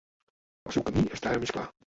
El seu camí està ara més clar.